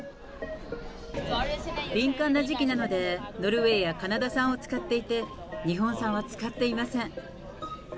敏感な時期なので、ノルウェーやカナダ産を使っていて、日本産は使っていません。